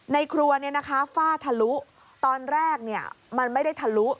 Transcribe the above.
ในครัวฝ้าทะลุตอนแรกมันไม่ได้ทะลุ